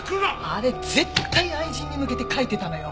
あれ絶対愛人に向けて書いてたのよ。